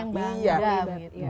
banyak orang yang bangga